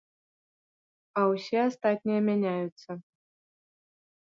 А ўсе астатнія мяняюцца.